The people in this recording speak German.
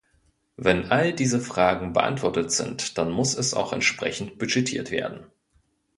Wenn all diese Fragen beantwortet sind, dann muss es auch entsprechend budgetiert werden.